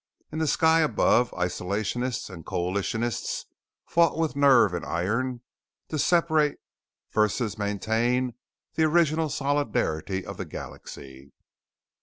In the sky above, Isolationist and Coalitionist fought with nerve and iron to separate versus maintain the original solidarity of the galaxy.